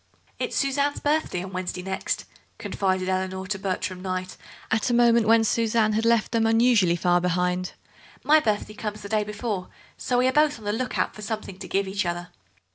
"It's Suzanne's birthday on Wednesday next," confided Eleanor to Bertram Kneyght at a moment when Suzanne had left them unusually far behind; "my birthday comes the day before, so we are both on the look out for something to give each other."